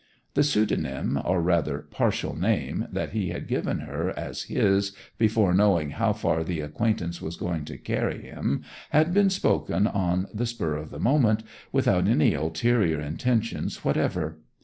The pseudonym, or rather partial name, that he had given her as his before knowing how far the acquaintance was going to carry him, had been spoken on the spur of the moment, without any ulterior intention whatever.